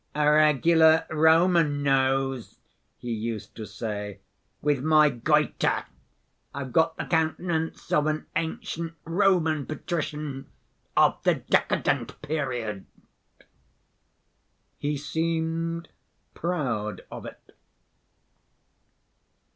"A regular Roman nose," he used to say, "with my goiter I've quite the countenance of an ancient Roman patrician of the decadent period." He seemed proud of it.